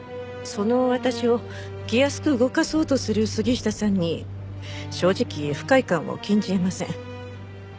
その私を気安く動かそうとする杉下さんに正直不快感を禁じ得ません。